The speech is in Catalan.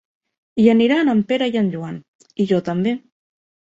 Hi aniran en Pere i en Joan, i jo també.